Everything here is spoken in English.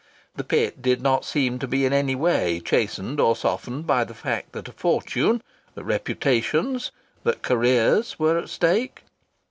The pit did not seem to be in any way chastened or softened by the fact that a fortune, that reputations, that careers were at stake.